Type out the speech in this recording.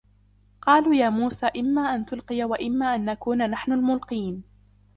قَالُوا يَا مُوسَى إِمَّا أَنْ تُلْقِيَ وَإِمَّا أَنْ نَكُونَ نَحْنُ الْمُلْقِينَ